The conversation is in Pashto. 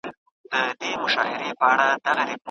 موږ د دين ټولنپوهنه لرو.